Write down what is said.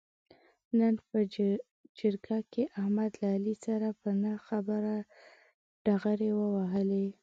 نن په جرګه کې احمد له علي سره په نه خبره ډغرې و وهلې.